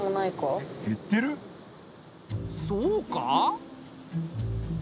そうか？